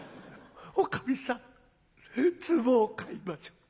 おかみさんツボを買いましょう。